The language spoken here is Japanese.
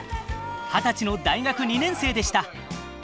二十歳の大学２年生でした。